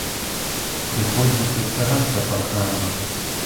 Прыходзіцца цягацца па крамах.